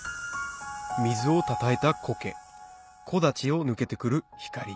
水をたたえた苔木立を抜けてくる光